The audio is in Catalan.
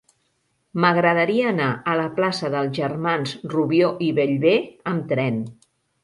M'agradaria anar a la plaça dels Germans Rubió i Bellver amb tren.